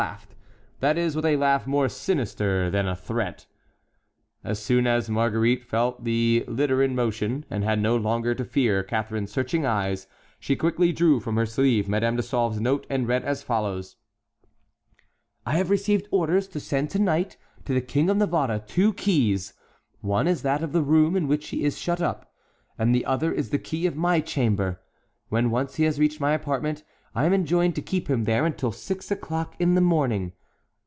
laughed; that is, with a laugh more sinister than a threat. As soon as Marguerite felt the litter in motion, and had no longer to fear Catharine's searching eyes, she quickly drew from her sleeve Madame de Sauve's note and read as follows: "I have received orders to send to night to the King of Navarre two keys; one is that of the room in which he is shut up, and the other is the key of my chamber; when once he has reached my apartment, I am enjoined to keep him there until six o'clock in the morning.